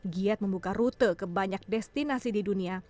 giat membuka rute ke banyak destinasi di dunia